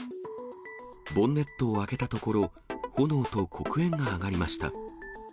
ボンネットを開けたところ、炎と黒煙が上がりました。